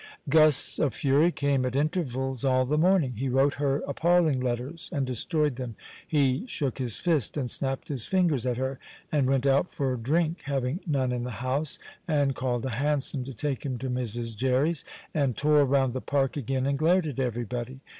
Gusts of fury came at intervals all the morning. He wrote her appalling letters and destroyed them. He shook his fist and snapped his fingers at her, and went out for drink (having none in the house), and called a hansom to take him to Mrs. Jerry's, and tore round the park again and glared at everybody.